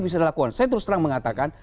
bisa dilakukan saya terus terang mengatakan